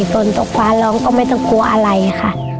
ฝนตกฟ้าร้องก็ไม่ต้องกลัวอะไรค่ะ